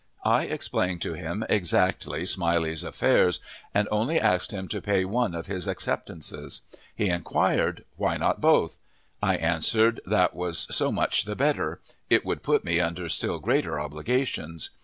I explained to him exactly Smiley's affairs, and only asked him to pay one of his acceptances. He inquired, "Why not both?" I answered that was so much the better; it would put me under still greater obligations.